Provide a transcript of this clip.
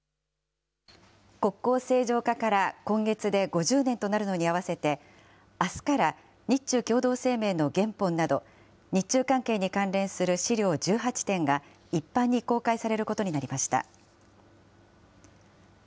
国交正常化から今月で５０年となるのに合わせて、あすから日中共同声明の原本など、日中関係に関連する史料１８点が一般に公開されることになりました。